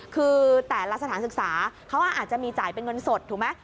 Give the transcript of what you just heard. คือแต่ละสถานศึกษาเขาอาจจะมีจ่ายเป็นเงินสดถูกไหม